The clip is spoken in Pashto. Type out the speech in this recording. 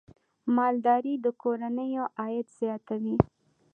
مالدارۍ د کورنیو عاید زیاتوي.